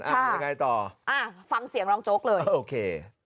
ยังไงต่ออ่าฟังเสียงรองโจ๊กเลยโอเค